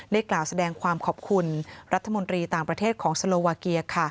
กล่าวแสดงความขอบคุณรัฐมนตรีต่างประเทศของสโลวาเกีย